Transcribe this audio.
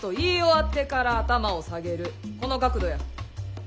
この角度や。